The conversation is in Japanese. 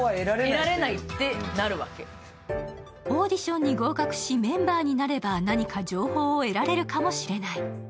オーディションに合格しメンバーになれば何か情報を得られるかもしれない。